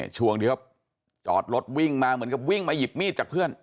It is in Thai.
ช่วงที่เขาจอดรถวิ่งมาเหมือนกับวิ่งมาหยิบมีดจากเพื่อน